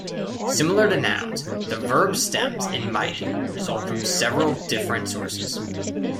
Similar to nouns, the verb stems in Maidu result from several different sources.